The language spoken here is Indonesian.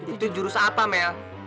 itu jurus apa mea